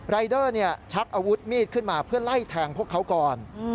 รายเดอร์ชักอาวุธมีดขึ้นมาเพื่อไล่แทงพวกเขาก่อน